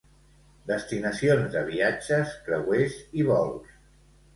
Destinacions de viatges, creuers i vols.